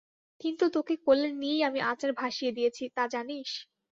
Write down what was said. কিন্তু তোকে কোলে নিয়েই আমি আচার ভাসিয়ে দিয়েছি তা জানিস?